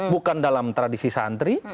bukan dalam tradisi santri